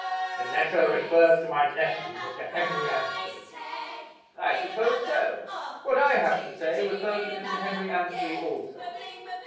"The letter refers to my nephew, Mr. Henry Annesley." "I suppose so. What I have to say refers to Mr. Henry Annesley also."